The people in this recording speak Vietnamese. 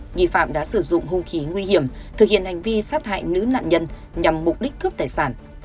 nghi phạm đã sử dụng hung khí nguy hiểm thực hiện hành vi sát hại nữ nạn nhân nhằm mục đích cướp tài sản